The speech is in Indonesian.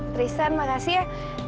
tristan makasih ya